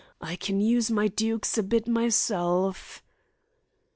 I can use my dukes a bit myself."